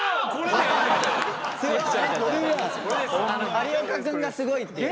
有岡くんがすごいっていう。